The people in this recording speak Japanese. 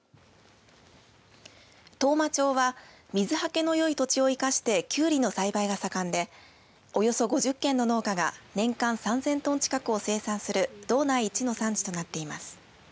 当麻町は水はけのよい土地を生かしてキュウリの栽培が盛んでおよそ５０軒の農家が年間３０００トン近くを生産する道内一の産地となっています。